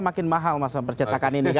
makin mahal mas pram percetakan ini